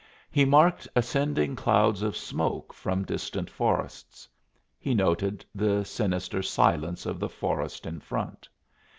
He marked ascending clouds of smoke from distant forests. He noted the sinister silence of the forest in front.